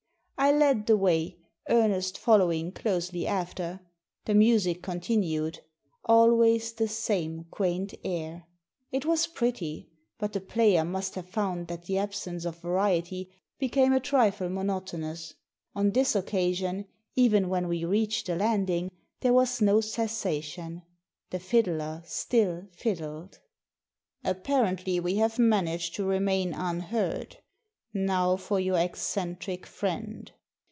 I led the way, Ernest following closely after. The music continued — always the same quaint air. It was pretty ; but the player must have found that the absence of variety became a trifle monotonous. On this occasion, even when we reached the landing, there was no cessation. The fiddler still fiddled. "Apparently we have managed to remain unheard. Now for your eccentric friend."